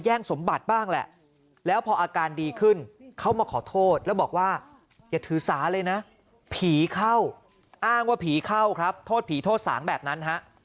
สมบัติบ้างแหละแล้วพออาการดีขึ้นเขามาขอโทษแล้วบอกว่าอย่าถือสาเลยนะผีเข้าอ้างว่าผีเข้าครับโทษผีโทษสางแบบนั้นฮะ